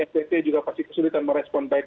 spt juga pasti kesulitan merespon baik